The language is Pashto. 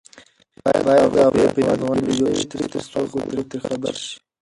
باید د هغوی په یاد غونډې جوړې شي ترڅو خلک ترې خبر شي.